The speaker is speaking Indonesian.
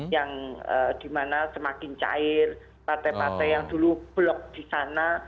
yang dimana semakin cair partai partai yang dulu blok di sana